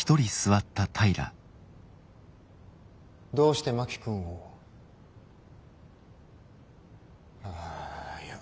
どうして真木君をああいや。